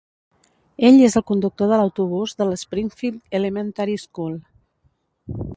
Ell és el conductor de l'autobús del "Springfield Elementary School".